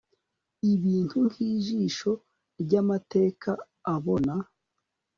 Ibintu nkijisho ryamateka abona